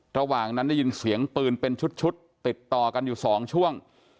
ระหว่างนั้นได้ยินเสียงปืนเป็นชุดติดต่อกันอยู่๒ช่วง